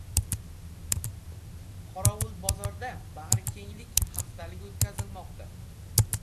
Qorovulbozorda “Bag‘rikenglik haftaligi” o‘tkazilmoqda